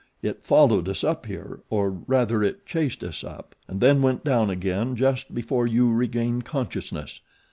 "It followed us up here, or rather it chased us up; and then went down again just before you regained consciousness.